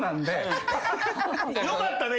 よかったね